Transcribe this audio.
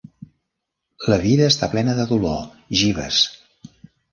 La vida està plena de dolor, Jeeves.